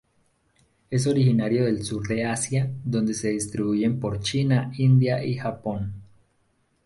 Es originario del sur de Asia donde se distribuyen por China, India y Japón.